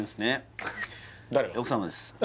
奥様です